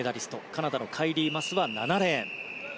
カナダのカイリー・マスは７レーン。